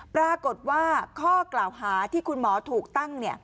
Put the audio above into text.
ปรากฏว่าข้อกล่าวหาที่คุณหมอถูกตั้ง